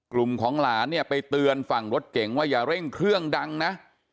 กลุ่มของหลานเนี่ยไปเตือนฝั่งรถเก๋งว่าอย่าเร่งเครื่องดังนะ